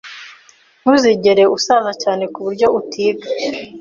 Ntuzigera usaza cyane kuburyo utiga.